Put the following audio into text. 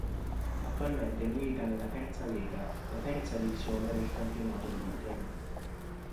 Attualmente milita nella Terza Lega, la terza divisione del campionato bulgaro.